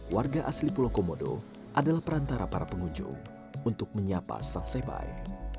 warga asli pulau komodo adalah perantara para pengunjung untuk menyapa sang sebaik